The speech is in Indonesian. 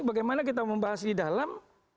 bagaimana kita membahas di dalam